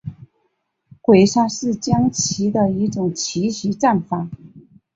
鬼杀是将棋的一种奇袭战法。